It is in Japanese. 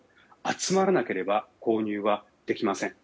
集まらなければ購入はできません。